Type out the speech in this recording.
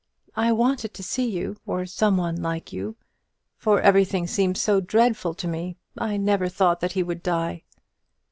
"I wanted to see you, or some one like you; for everything seems so dreadful to me. I never thought that he would die."